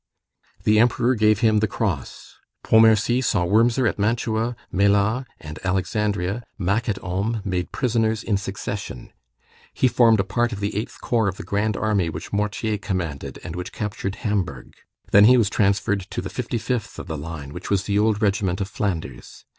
The Emperor gave him the cross. Pontmercy saw Wurmser at Mantua, Mélas, and Alexandria, Mack at Ulm, made prisoners in succession. He formed a part of the eighth corps of the grand army which Mortier commanded, and which captured Hamburg. Then he was transferred to the 55th of the line, which was the old regiment of Flanders.